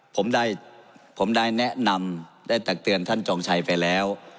ผมได้ผมได้แนะนำได้ตักเตือนท่านจองชัยไปแล้ว